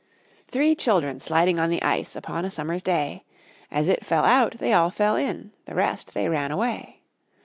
Three children sliding on the ice Upon a summer's day, As it fell out, they all fell in, The rest they ran away.